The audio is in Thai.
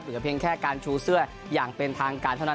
เหลือเพียงแค่การชูเสื้ออย่างเป็นทางการเท่านั้น